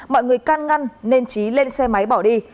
mọi người can ngăn nên trí lên xe máy bỏ đi